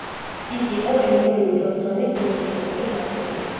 ის იყო ენდრიუ ჯონსონის იმპიჩმენტის ნაწილი.